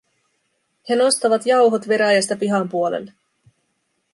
He nostavat jauhot veräjästä pihan puolelle.